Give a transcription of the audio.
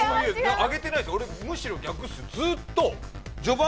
上げてないですよ、俺むしろ逆ですよ。